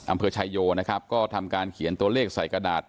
อำเภอชายโยนะครับก็ทำการเขียนตัวเลขใส่กระดาษ